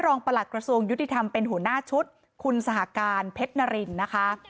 ประหลักกระทรวงยุติธรรมเป็นหัวหน้าชุดคุณสหการเพชรนารินนะคะ